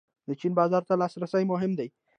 د چین بازار ته لاسرسی مهم دی